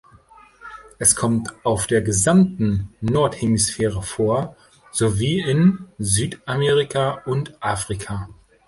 Es kommt auf der gesamten Nordhemisphäre vor, sowie in Südamerika und in Afrika.